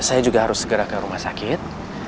saya juga harus segera ke rumah sakit